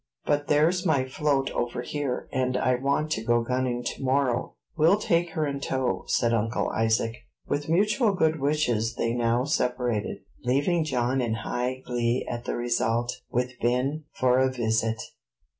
"But there's my float over here, and I want to go gunning to morrow." "We'll take her in tow," said Uncle Isaac. With mutual good wishes they now separated, leaving John in high glee at the result, with Ben, for a visit.